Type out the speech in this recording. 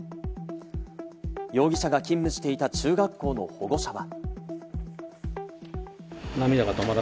容疑者が勤務していた中学校の保護者は。